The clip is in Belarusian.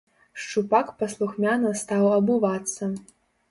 Шчупак паслухмяна стаў абувацца.